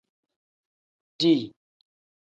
Dii.